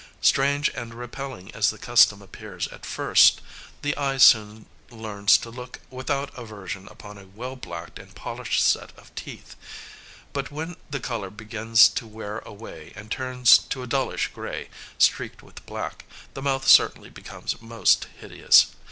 Strange and repelling as the custom appears at first, the eye soon learns to look without aversion upon a well blacked and polished set of teeth; but when the colour begins to wear away, and turns to a dullish grey, streaked with black, the mouth certainly becomes most hideous.